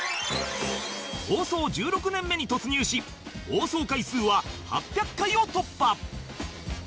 放送１６年目に突入し放送回数は８００回を突破